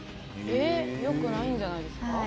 えっよくないんじゃないですか？